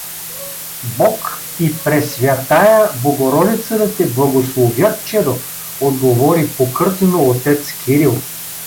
— Бог и пресвятая Богородица да те благословят, чедо — отговори покъртено о.Кирил.